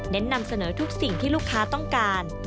นำเสนอทุกสิ่งที่ลูกค้าต้องการ